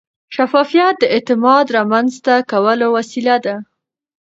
شفافیت د اعتماد رامنځته کولو وسیله ده.